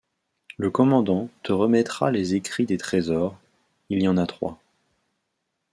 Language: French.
Le commandant te remettra les écrits des trésors, Il y en a trois.